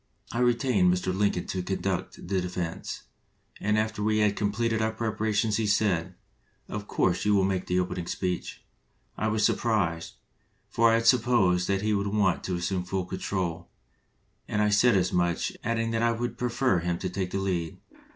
I retained Mr. Lin coln to conduct the defense, and after we had completed our preparations he said, 'Of course you will make the opening speech.' I was sur prised, for I had supposed that he would want to assume full control, and I said as much, adding that I would prefer him to take the lead.